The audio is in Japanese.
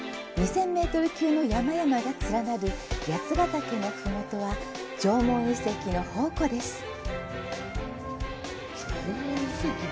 ２０００メートル級の山々が連なる八ヶ岳のふもとは縄文遺跡の宝庫です。